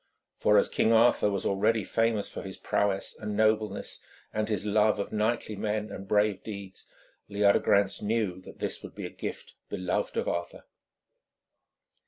For, as King Arthur was already famous for his prowess and nobleness and his love of knightly men and brave deeds, Leodegrance knew that this would be a gift beloved of Arthur.